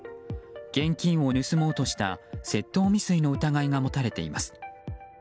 現金を盗もうとした窃盗未遂の疑いが持たれています。